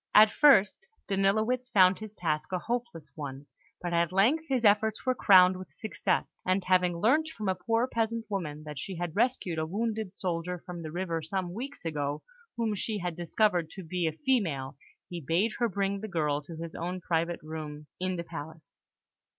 At first, Danilowitz found his task a hopeless one; but at length his efforts were crowned with success, and having learnt from a poor peasant woman that she had rescued a wounded soldier from the river some weeks ago, whom she had since discovered to be a female, he bade her bring the girl to his own private room in the palace.